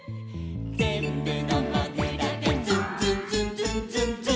「ぜんぶのもぐらが」「ズンズンズンズンズンズン」